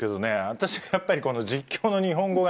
私はやっぱりこの実況の日本語がね